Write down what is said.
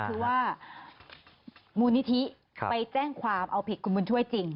คือว่ามูลนิธิไปแจ้งความเอาผิดคุณบุญช่วยจริง